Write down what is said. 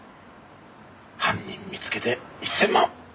犯人見つけて１０００万！